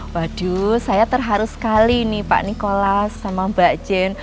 waduh saya terharu sekali nih pak nikolas sama mbak jen